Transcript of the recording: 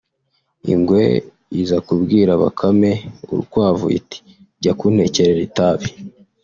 Ingwe iza kubwira Bakame (urukwavu) iti « jya kuntekerera itabi